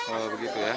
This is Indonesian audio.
oh begitu ya